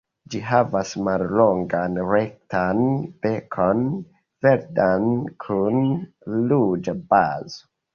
Ĝi havas mallongan rektan bekon, verdan kun ruĝa bazo.